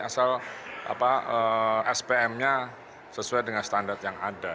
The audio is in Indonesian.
asal spm nya sesuai dengan standar yang ada